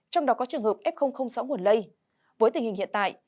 trong đó có trường hợp f sáu nguồn lây với tình hình hiện tại